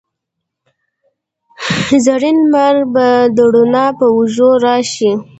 زرین لمر به د روڼا په اوږو راشي